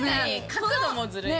角度もずるい。